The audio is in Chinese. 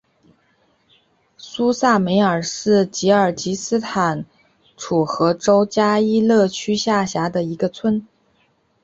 苏萨梅尔是吉尔吉斯斯坦楚河州加依勒区下辖的一个村。